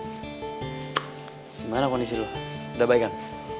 gimana kondisi lu udah baik kan